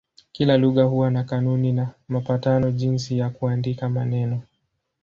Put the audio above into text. Kila lugha huwa na kanuni na mapatano jinsi ya kuandika maneno.